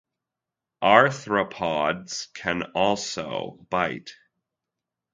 Arthropods can also bite.